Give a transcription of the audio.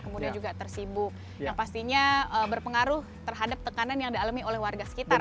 kemudian juga tersibuk yang pastinya berpengaruh terhadap tekanan yang dialami oleh warga sekitar